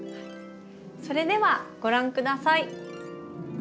それではご覧下さい。